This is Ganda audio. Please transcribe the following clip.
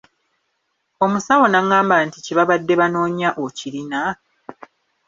Omusawo n'angamba nti Kye babadde banoonya okirina?